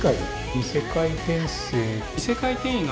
異世界転生。